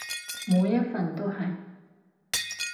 每一份都係